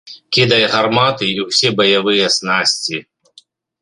Кідае гарматы і ўсе баявыя снасці.